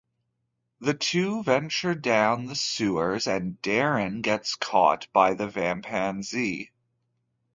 The two venture down the sewers and Darren gets caught by the vampaneze.